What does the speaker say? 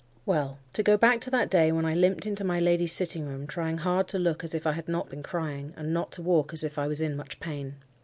Well, to go back to that day when I limped into my lady's sitting room, trying hard to look as if I had not been crying, and not to walk as if I was in much pain.